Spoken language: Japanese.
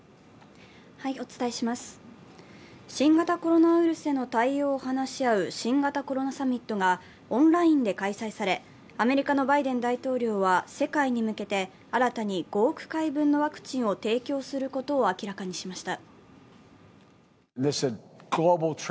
新型コロナウイルスへの対応を話し合う新型コロナサミットがオンラインで開催され、アメリカのバイデン大統領は世界に向けて新たに５億回分のワクチンを提供することを明らかにしました。